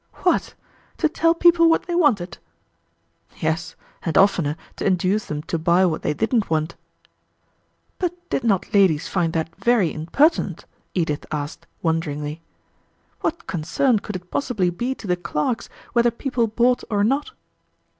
"What! To tell people what they wanted?" "Yes; and oftener to induce them to buy what they didn't want." "But did not ladies find that very impertinent?" Edith asked, wonderingly. "What concern could it possibly be to the clerks whether people bought or not?"